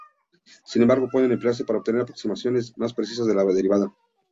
Sin embargo, pueden emplearse para obtener aproximaciones más precisas de la derivada.